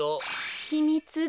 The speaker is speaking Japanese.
ひみつが。